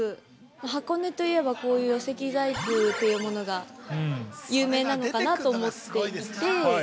箱根といえばこういう寄木細工というものが有名なのかなと思っていて。